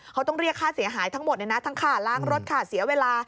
เขาต้องเรียกค่าเสียหายทั้งหมดเลยนะทั้งค่าล้างรถค่าเสียเวลา